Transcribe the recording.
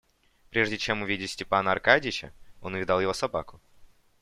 Прежде чем увидать Степана Аркадьича, он увидал его собаку.